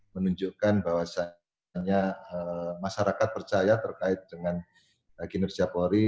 menunjukkan bahwasannya masyarakat percaya terkait dengan kinerja polri